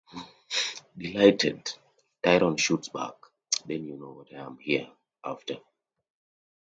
Delighted, Tyrone shoots back: "Then you know what I'm "here" after!